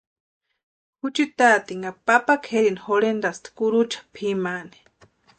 Juchi taatininha papa kʼeri jorhentʼaspti kurucha pʼimaani.